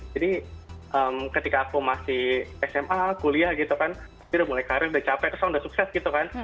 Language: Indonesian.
jadi ketika aku masih sma kuliah gitu kan udah mulai karir udah capek terus udah sukses gitu kan